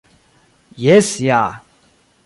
Jes, ja.